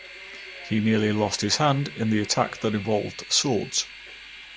He nearly lost his hand in the attack that involved swords.